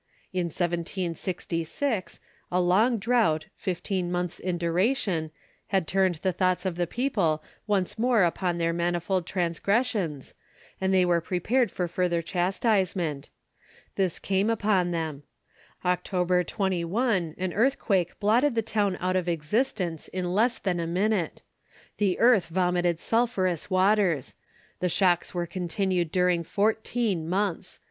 In 1766, a long drought, fifteen months in duration, had turned the thoughts of the people once more upon their manifold transgressions, and they were prepared for further chastisement. This came upon them. October 21 an earthquake blotted the town out of existence in less than a minute. The earth vomited sulphurous waters. The shocks were continued during fourteen months.